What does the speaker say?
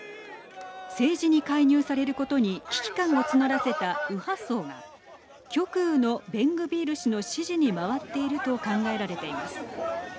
政治に介入されることに危機感を募らせた右派層が極右のベングビール氏の支持に回っていると考えられています。